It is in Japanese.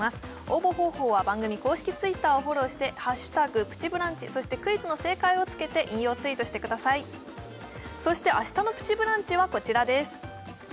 応募方法は番組公式Ｔｗｉｔｔｅｒをフォローして「＃プチブランチ」そしてクイズの正解をつけて引用ツイートしてくださいそしてあしたの「プチブランチ」はこちらです